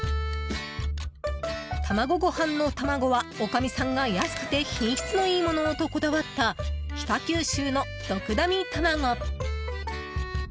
たまごご飯の卵は、おかみさんが安くて品質の良いものをとこだわった北九州のドクダミ卵。